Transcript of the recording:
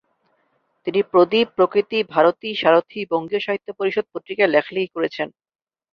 তিনি প্রদীপ, প্রকৃতি, ভারতী, সারথি, বঙ্গীয় সাহিত্য পরিষদ পত্রিকায় লেখালেখি করেছেন।